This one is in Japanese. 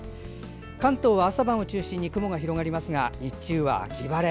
関東は朝晩を中心に雲が広がりますが日中は秋晴れ。